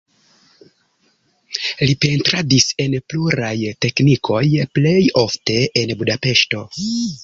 Li pentradis en pluraj teknikoj, plej ofte en Budapeŝto.